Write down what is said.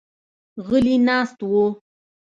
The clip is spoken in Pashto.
غلي ناست وو.